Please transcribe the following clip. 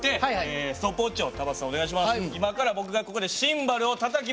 今から僕がここでシンバルをたたきます。